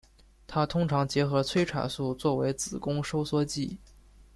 它通常结合催产素作为子宫收缩剂。